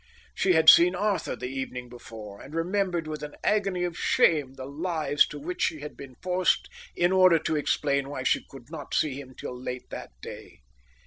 She had seen Arthur the evening before, and remembered with an agony of shame the lies to which she had been forced in order to explain why she could not see him till late that day.